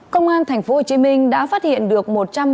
công an tp hcm đã phát hiện được